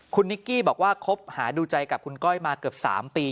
คุณนิกกี้บอกว่าคบหาดูใจกับคุณก้อยมาเกือบ๓ปี